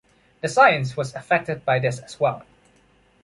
The science was affected by this as well.